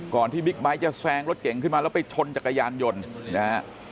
ที่บิ๊กไบท์จะแซงรถเก่งขึ้นมาแล้วไปชนจักรยานยนต์นะฮะ